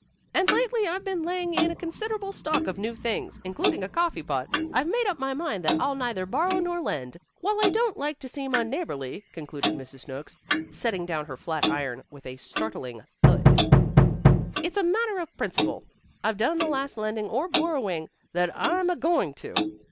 "And lately I've been laying in a considerable stock of new things, including a coffee pot. I've made up my mind that I'll neither borrow nor lend. While I don't like to seem unneighborly," concluded Mrs. Snooks, setting down her flat iron with a startling thud, "it's a matter of principle. I've done the last lending or borrowing that I'm a going to."